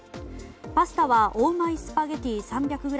パスタはオーマイスパゲッティ３００ｇ